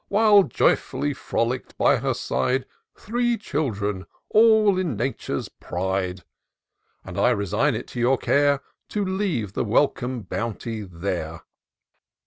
While joyful frolick'd by her side Three children, aU in Nature's pride ; And I resign it to your care To leave the welcome bounty there."